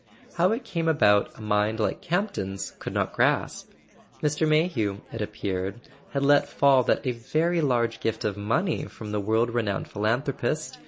How it came about a mind like Camp ton's could not grasp. Mr. Mayhew, it appeared, had let fall that a very large gift of money from the world renowned philanthropist.